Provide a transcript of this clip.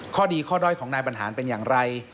ข้อดีข้อด้อยของนายบรรหารเป็นอย่างไร